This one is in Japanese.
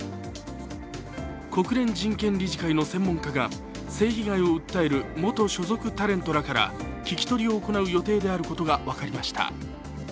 国連人権理事会の専門家が性被害を訴える元所属タレントらから聞き取りを行う予定であることが分かりました。